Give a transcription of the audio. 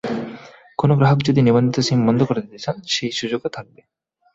কোনো গ্রাহক যদি নিবন্ধিত সিম বন্ধ করে দিতে চান, সেই সুযোগও থাকবে।